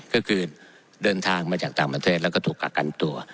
ก็คือเดินทางมาจากต่างประเทศแล้วก็ถูกกักกันตัว